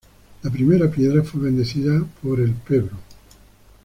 La primera piedra fue bendecida por el Pbro.